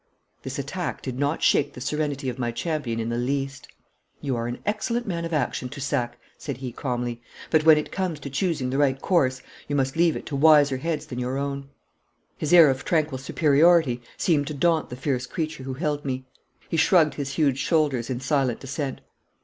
This attack did not shake the serenity of my champion in the least. 'You are an excellent man of action, Toussac,' said he calmly; 'but when it comes to choosing the right course, you must leave it to wiser heads than your own.' His air of tranquil superiority seemed to daunt the fierce creature who held me. He shrugged his huge shoulders in silent dissent.